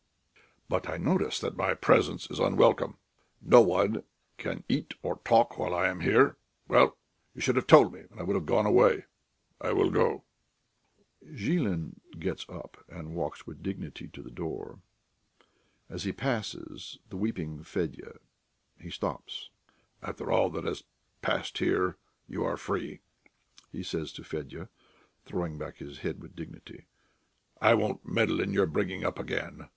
"But I notice that my presence is unwelcome. No one can eat or talk while I am here.... Well, you should have told me, and I would have gone away.... I will go." Zhilin gets up and walks with dignity to the door. As he passes the weeping Fedya he stops. "After all that has passed here, you are free," he says to Fedya, throwing back his head with dignity. "I won't meddle in your bringing up again.